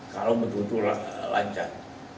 kalau betul betul lancar